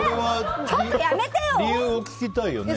理由を聞きたいよね。